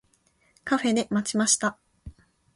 カフェで待ちました。